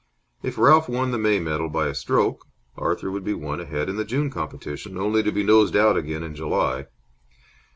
If Ralph won the May medal by a stroke, Arthur would be one ahead in the June competition, only to be nosed out again in July.